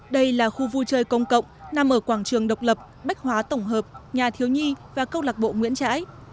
đây là khu vui chơi công cộng nằm ở quảng trường độc lập bách hóa tổng hợp nhà thiếu nhi và câu lạc bộ nguyễn trãi